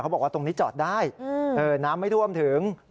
บอกว่าตรงนี้จอดได้น้ำไม่ท่วมถึง